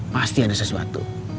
pasti ada sesuatu